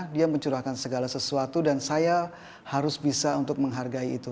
dia mencurahkan segala sesuatu dan saya harus bisa untuk menghargai itu